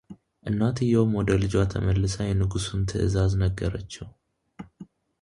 እናትየውም ወደ ልጇ ተመልሳ የንጉሱን ትዕዛዝ ነገረችው፡፡